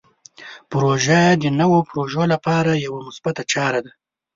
پروژه د نوو پروژو لپاره یوه مثبته چاره ده.